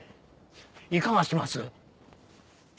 いかがします？